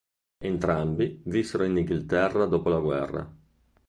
Entrambi vissero in Inghilterra dopo la guerra.